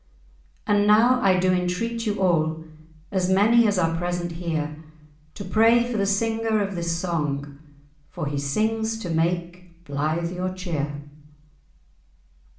And now I do entreat you all, As many as are present here, To pray for the singer of this song, For he sings to make blythe your cheer."